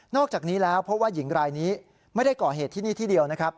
อกจากนี้แล้วเพราะว่าหญิงรายนี้ไม่ได้ก่อเหตุที่นี่ที่เดียวนะครับ